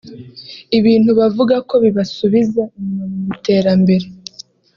ibintu bavuga ko bibasubiza inyuma mu iterambere